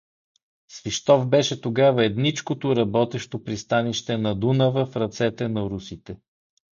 Свищов беше тогава едничкото работещо пристанище на Дунава в ръцете на русите.